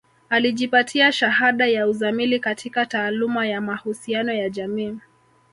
Alijipatia shahada ya uzamili katika taaluma ya mahusiano ya jamii